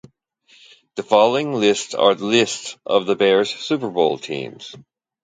The following lists are lists of the Bears Super Bowl teams.